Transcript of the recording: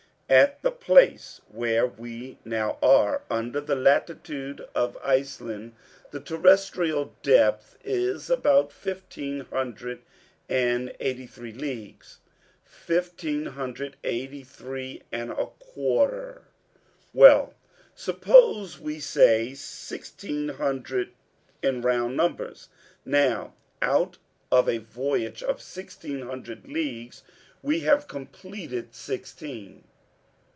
"At the place where we now are, under the latitude of Iceland, the terrestrial depth is about fifteen hundred and eighty three leagues." "Fifteen hundred eighty three and a quarter." "Well, suppose we say sixteen hundred in round numbers. Now, out of a voyage of sixteen hundred leagues we have completed sixteen."